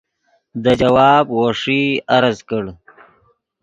دے جواب وو ݰئی عرض کڑ